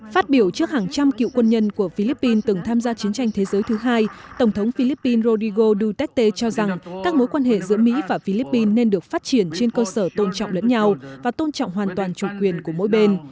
phát biểu trước hàng trăm cựu quân nhân của philippines từng tham gia chiến tranh thế giới thứ hai tổng thống philippines rodrigo duterte cho rằng các mối quan hệ giữa mỹ và philippines nên được phát triển trên cơ sở tôn trọng lẫn nhau và tôn trọng hoàn toàn chủ quyền của mỗi bên